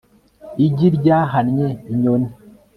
igi ryahannye inyoni